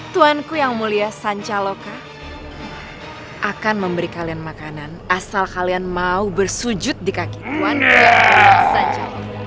tuan ku yang mulia sancaloka akan memberi kalian makanan asal kalian mau bersujud di kaki tuan ku yang mulia sancaloka